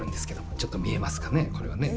ちょっと見えますかね、これをね。